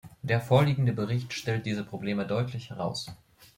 Der vorliegende Bericht stellt diese Probleme deutlich heraus.